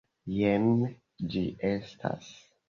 Jen ĝi estas: